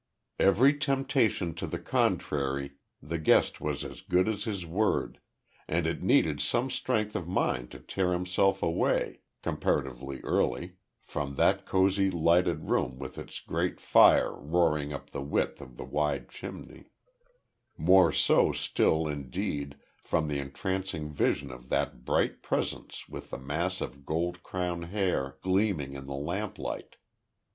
Every temptation to the contrary the guest was as good as his word, and it needed some strength of mind to tear himself away, comparatively early, from that cosy lighted room with its great fire roaring up the width of the wide chimney more so still, indeed, from the entrancing vision of that bright presence with the mass of gold crowned hair gleaming in the lamplight.